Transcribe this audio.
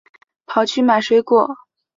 跑去买水果